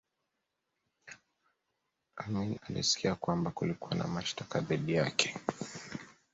amin alisikia kwamba kulikuwa na mashtaka dhidi yake